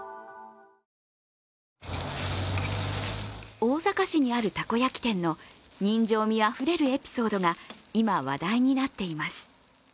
大阪市にあるたこ焼き店の人情味あふれるエピソードが今話題になっています。